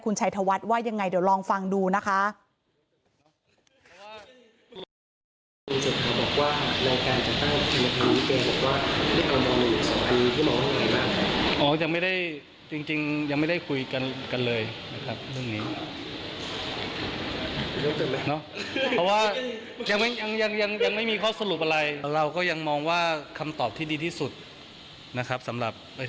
คุณชัยธวัฒน์ว่ายังไงเดี๋ยวลองฟังดูนะคะ